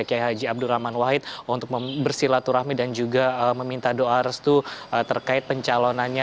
pak kiyai haji abdul rahman wahid untuk bersilaturahmi dan juga meminta doa restu terkait pencalonannya